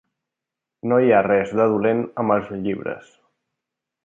No hi ha res de dolent amb els llibres.